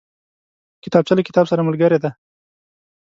کتابچه له کتاب سره ملګرې ده